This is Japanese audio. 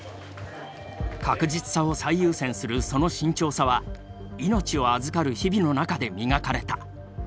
確実さを最優先するその慎重さは命を預かる日々の中で磨かれた。